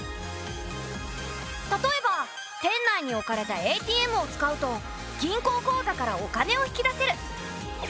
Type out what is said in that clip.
例えば店内に置かれたＡＴＭを使うと銀行口座からお金を引き出せる。